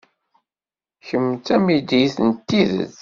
Kemm d tamidit n tidet.